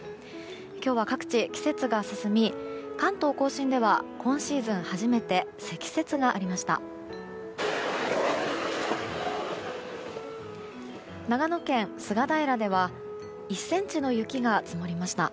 今日は各地、季節が進み関東・甲信では今シーズン初めて積雪がありました。